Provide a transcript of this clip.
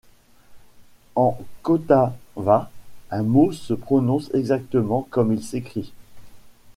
En kotava, un mot se prononce exactement comme il s'écrit.